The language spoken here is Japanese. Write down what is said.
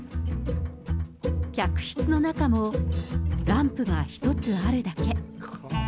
客室の中も、ランプが１つあるだけ。